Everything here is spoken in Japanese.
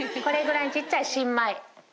これぐらいの小っちゃい新米。